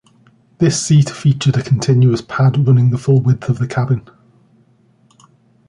This seat featured a continuous pad running the full width of the cabin.